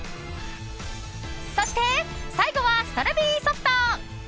そして最後はストロベリーソフト。